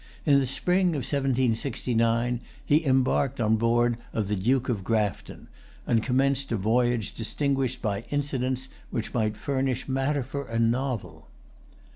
In the spring of 1769 he embarked on board of the Duke of Grafton, and commenced a voyage distinguished by incidents which might furnish matter for a novel.